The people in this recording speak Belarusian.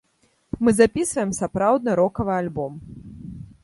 Мы запісваем сапраўдны рокавы альбом.